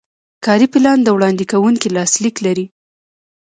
کاري پلان د وړاندې کوونکي لاسلیک لري.